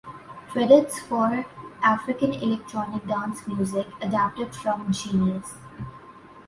Credits for "African Electronic Dance Music" adapted from Genius.